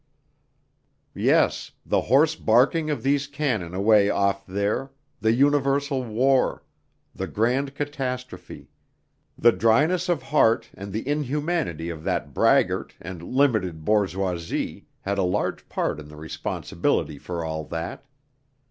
Yes, the hoarse barking of these cannon away off there, the universal war, the grand catastrophe the dryness of heart and the inhumanity of that braggart and limited bourgeoisie had a large part in the responsibility for all that.